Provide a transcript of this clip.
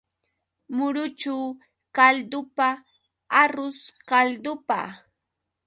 Muruchu kaldupa, arrus kaldupa.